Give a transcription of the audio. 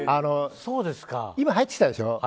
今、入ってきたでしょ。